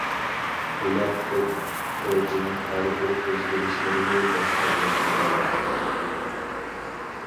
ئۇلار تۆت كوچىنىڭ ھەربىر ئۆزگىرىشلىرىنى بەش قولدەك بىلىدۇ.